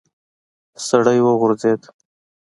سړی وغورځېد.